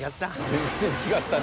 全然違ったね。